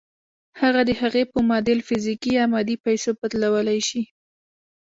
هغه د هغې په معادل فزيکي يا مادي پيسو بدلولای شئ.